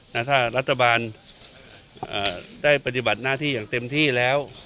ถ้ารัฐบาลได้ปฏิบัติหน้าที่อย่างเต็มที่แล้ว